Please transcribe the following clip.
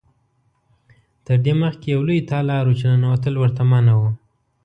تر دې مخکې یو لوی تالار و چې ننوتل ورته منع و.